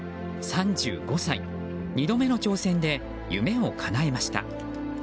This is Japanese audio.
３５歳、２度目の挑戦で夢をかなえました。